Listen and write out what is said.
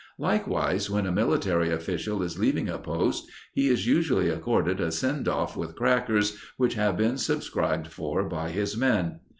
Likewise, when a military official is leaving a post, he is usually accorded a send off with crackers which have been subscribed for by his men.